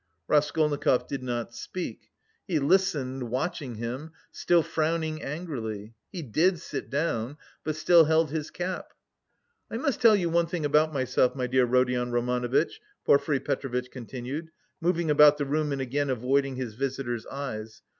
Raskolnikov did not speak; he listened, watching him, still frowning angrily. He did sit down, but still held his cap. "I must tell you one thing about myself, my dear Rodion Romanovitch," Porfiry Petrovitch continued, moving about the room and again avoiding his visitor's eyes.